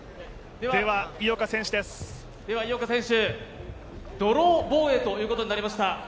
井岡選手、ドロー防衛ということになりました。